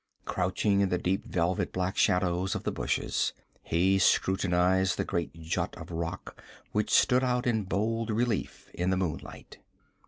Crouching in the deep velvet black shadows of the bushes, he scrutinized the great jut of rock which stood out in bold relief in the moonlight.